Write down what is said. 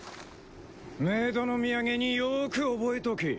冥土の土産によく覚えとけ。